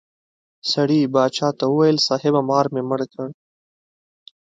سړي باچا ته وویل صاحبه مار مې مړ کړ.